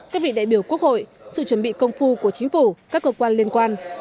các vị đại biểu quốc hội sự chuẩn bị công phu của chính phủ các cơ quan liên quan